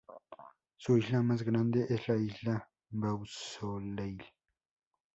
Su isla más grande es la isla Beausoleil.